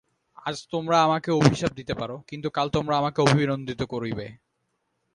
আজ তোমরা আমাকে অভিশাপ দিতে পার, কিন্তু কাল তোমরা আমাকে অভিনন্দিত করিবে।